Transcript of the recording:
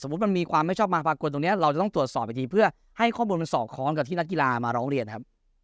มันมีความไม่ชอบมาปรากฏตรงนี้เราจะต้องตรวจสอบอีกทีเพื่อให้ข้อมูลมันสอดคล้องกับที่นักกีฬามาร้องเรียนครับ